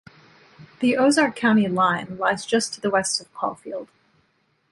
The Ozark County line lies just to the west of Caulfield.